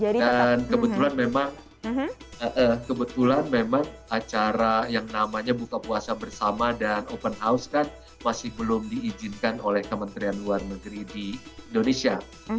dan kebetulan memang acara yang namanya buka puasa bersama dan open house kan masih belum diizinkan oleh kementerian luar negeri di indonesia